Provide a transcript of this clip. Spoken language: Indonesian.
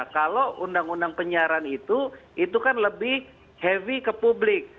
kalau undang undang penyiaran itu itu kan lebih heavy ke publik